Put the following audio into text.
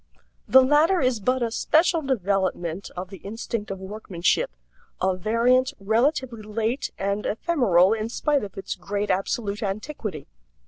The latter is but a special development of the instinct of workmanship, a variant, relatively late and ephemeral in spite of its great absolute antiquity.